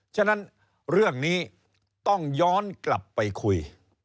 ฉะนั้นเรื่องนี้ต้องย้อนกลับไปคุย